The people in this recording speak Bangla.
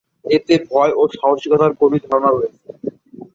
এতে ভয় ও সাহসিকতার গভীর ধারণা রয়েছে।